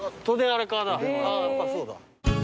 やっぱそうだ。